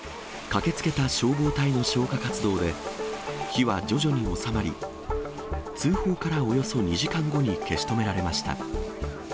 駆けつけた消防隊の消火活動で、火は徐々に収まり、通報からおよそ２時間後に消し止められました。